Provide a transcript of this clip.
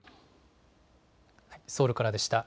ソウルからでした。